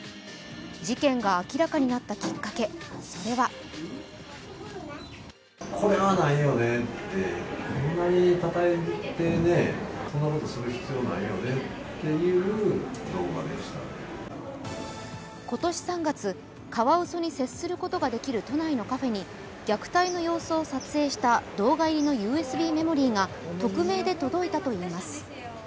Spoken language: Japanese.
事件が明らかになったきっかけ、それは今年３月、カワウソに接することができる都内のカフェに虐待の様子を撮影した動画入りのＵＳＢメモリーが匿名で届いたといいます。